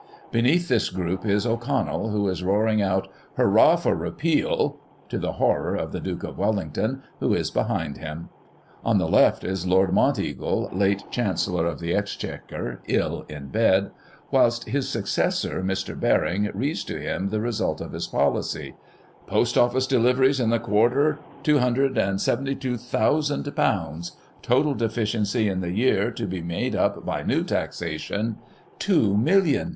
Beneath this group is O'Connell, who is roaring out " Hurrah for Repeal !" to the horror of the Duke of Wellington, who is behind him. On the left is Lord Monteagle, late Charncellor of the Exchequer, ill in bed ; whilst his successor, Mr. Baring, reads to him the result of his policy :" Post Office deliveries in the quarter, ;£'272,ooo ! Total deficiency in the year, to be made up by new taxation, ;£'2,ooo, ooo !